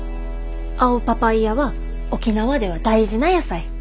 青パパイアは沖縄では大事な野菜。